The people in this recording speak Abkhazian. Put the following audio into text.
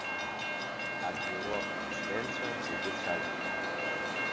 Абиуро ачленцәа зегьы цәажәеит.